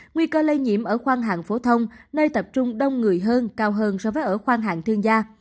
nguy cơ lây nhiễm ở khoan hạng phổ thông nơi tập trung đông người hơn cao hơn so với ở khoan hạng thương gia